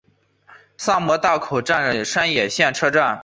萨摩大口站山野线车站。